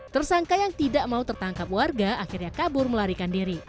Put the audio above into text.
tersangka yang tidak mau tertangkap warga akhirnya kabur melarikan diri